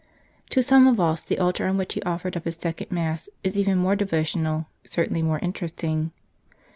To some of us the altar on which he offered up his second Mass is even more devotional, certainly more interesting.